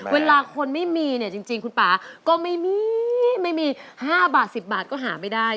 เวลาคนไม่มีเนี่ยจริงคุณป่าก็ไม่มีไม่มี๕บาท๑๐บาทก็หาไม่ได้